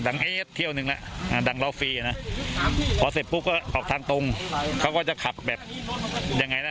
เอ๊ะเที่ยวหนึ่งแล้วดังเราฟรีนะพอเสร็จปุ๊บก็ออกทางตรงเขาก็จะขับแบบยังไงล่ะ